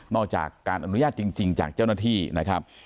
อกจากการอนุญาตจริงจากเจ้าหน้าที่นะครับ